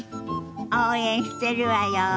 応援してるわよ。